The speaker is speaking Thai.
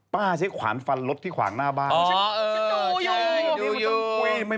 ป้าใช้ขวานฟันลดที่ขวางหน้าบ้าน